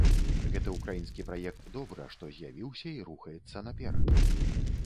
Гэты ўкраінскі праект добра, што з'явіўся і рухаецца наперад.